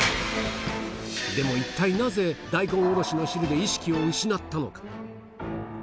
でも一体なぜ、大根おろしの汁で意識を失ったのか？